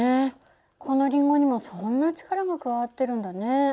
このりんごにもそんな力が加わってるんだね。